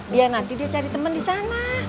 biar nanti dia cari temen di sana